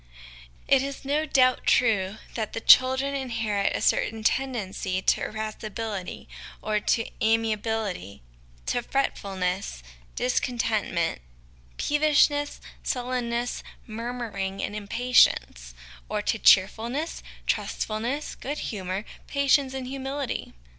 It is no doubt true that the children inherit a certain tendency to irascibility or to amiability, to fretful ness, discon tentment, peevishness, sullenness, murmuring, and impatience ; or to cheerfulness, trustfulness, good humour, patience, and humility.